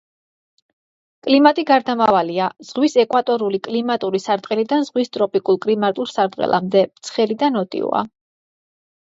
კლიმატი გარდამავალია ზღვის ეკვატორული კლიმატური სარტყელიდან ზღვის ტროპიკულ კლიმატურ სარტყელამდე, ცხელი და ნოტიოა.